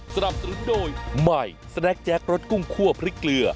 สนับสนุนโดยใหม่สแนคแจ๊ครสกุ้งคั่วพริกเกลือ